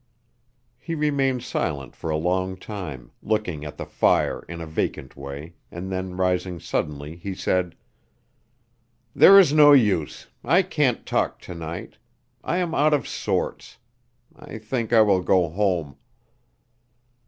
He remained silent for a long time, looking at the fire in a vacant way, and then rising suddenly he said: "There is no use; I can't talk to night. I am out of sorts. I think I will go home."